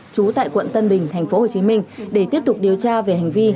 trú tại quận tân bình tp hcm để tiếp tục điều tra về hành vi